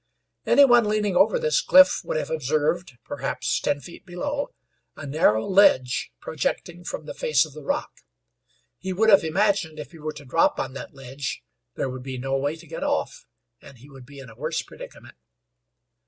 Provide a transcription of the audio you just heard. Any one leaning over this cliff would have observed, perhaps ten feet below, a narrow ledge projecting from the face of the rock. He would have imagined if he were to drop on that ledge there would be no way to get off and he would be in a worse predicament.